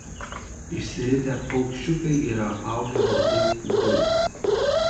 Išsiritę paukščiukai yra apaugę baltais pūkais.